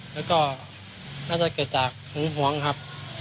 แล้วก็น่าจะเกิดจากหึงหวงครับ